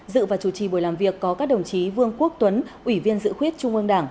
dự và chủ trì buổi làm việc có các đồng chí vương quốc tuấn ủy viên dự khuyết trung ương đảng